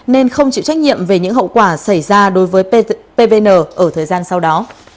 nên không chịu trách nhiệm về những hậu quả xảy ra đối với pvn ở thời gian sau đó